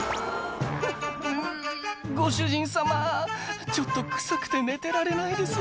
「うんご主人様ちょっと臭くて寝てられないです」